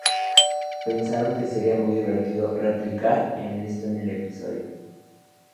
Pensaron que sería muy divertido "replicar" en esto en el episodio.